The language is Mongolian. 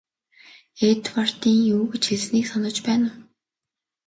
Эдвардын юу гэж хэлснийг санаж байна уу?